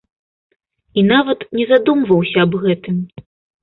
І нават не задумваўся аб гэтым.